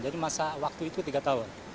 jadi masa waktu itu tiga tahun